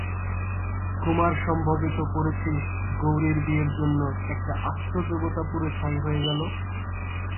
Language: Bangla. কুমারসম্ভবে তো পড়েছিস গৌরীর বিয়ের জন্য একটি আস্ত দেবতা পুড়ে ছাই হয়ে গেল।